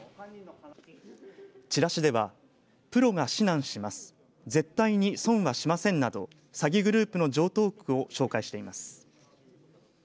チラシではプロが指南します絶対に損はしませんなど詐欺グループの常とう句を紹介しています。